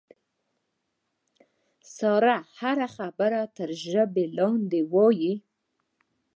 ساره هره خبره تر ژبې لاندې وایي.